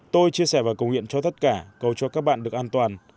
tôi chia sẻ và cầu nguyện cho tất cả cầu cho các bạn được an toàn